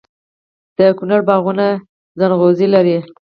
د کونړ باغونه ځنغوزي لري.